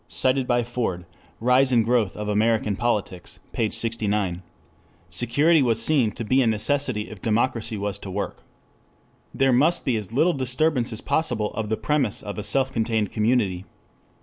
Cited by Ford, Rise and Growth of American Politics, p. 69.] security was seen to be a necessity if democracy was to work. There must be as little disturbance as possible of the premise of a self contained community.